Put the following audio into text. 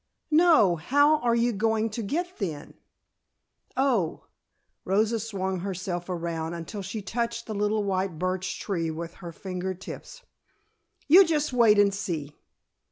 "No. How are you going to get thin?" "Oh." Rosa swung herself around until she touched the little white birch tree with her finger tips. "You just wait and see!"